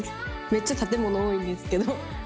めっちゃ建物多いんですけど。